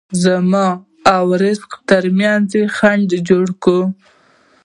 زما او رزق ترمنځ خنډ جوړ کړي.